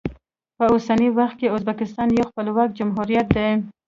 په اوسني وخت کې ازبکستان یو خپلواک جمهوریت دی.